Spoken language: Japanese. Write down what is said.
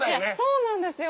そうなんですよ